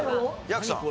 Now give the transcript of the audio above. やくさん。